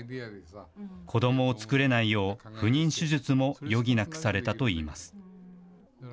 子どもを作れないよう、不妊手術も余儀なくされたといいます。